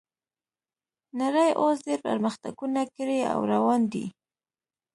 نړۍ اوس ډیر پرمختګونه کړي او روان دي